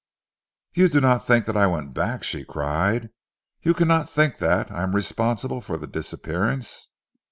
"You do not think that I went back?" she cried. "You cannot think that I am responsible for the disappearance?"